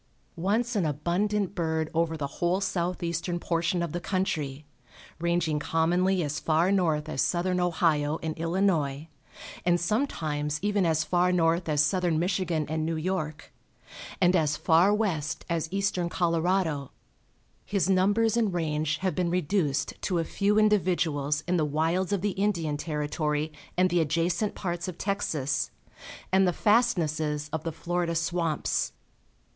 Once an abundant bird over the whole southeastern portion of the country, ranging commonly as far north as southern Ohio and Illinois, and sometimes even as far north as southern Michigan and New York, and as far west as eastern Colorado, his numbers and range have been reduced to a few individuals in the wilds of the Indian Territory and the adjacent parts of Texas, and the fastnesses of the Florida swamps.